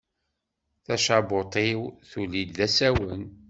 Tacabuṭ-iw tulli-d d asawen.